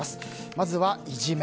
まずはいじめ。